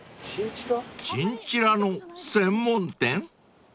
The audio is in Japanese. ［チンチラの専門店？］